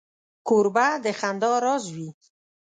کوربه د خندا راز وي.